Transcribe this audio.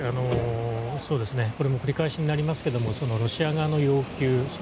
これも繰り返しになりますがロシア側の要求